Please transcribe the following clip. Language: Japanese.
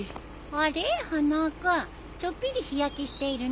あれ花輪君ちょっぴり日焼けしているね。